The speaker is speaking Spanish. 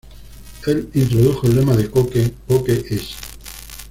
El introdujo el lema de Coke, "Coke es!